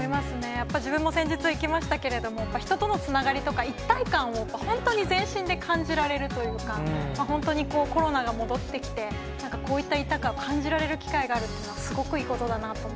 やっぱ自分も先日、行きましたけれども、人とのつながりとか、一体感を本当に全身で感じられるというか、本当にコロナが戻ってきて、なんかこういった一体感を感じられる機会があるっていうのは、すごくいいことだと思う。